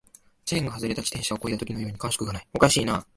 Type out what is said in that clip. チェーンが外れた自転車を漕いだときのように感触がない、おかしいな